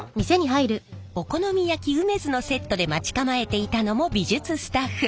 お好み焼きうめづのセットで待ち構えていたのも美術スタッフ。